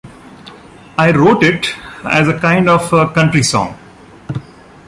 I wrote it as a kind of a country song.